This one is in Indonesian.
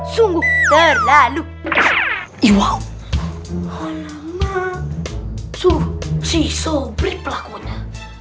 sungguh terlalu iwaw lama tuh si sobri pelakunya